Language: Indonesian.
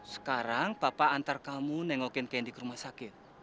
sekarang papa antar kamu nengokin kendi ke rumah sakit